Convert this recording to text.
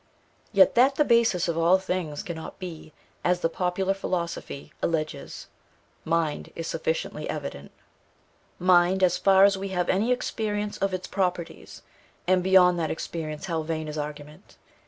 Yet, that the basis of all things cannot be, as the popular philosophy alleges, mind, is sufficiently evident. Mind, as far as we have any experience of its properties, and beyond that experience how vain is argument!